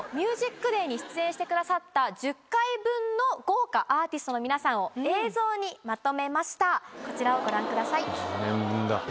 過去『ＭＵＳＩＣＤＡＹ』に出演してくださった１０回分の豪華アーティストの皆さんを映像にまとめましたこちらをご覧ください。